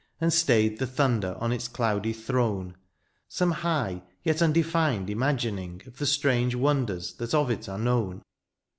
And stayed the thunder on its cloudy throne. Some high yet imdefined imagining Of the strange wonders that of it are known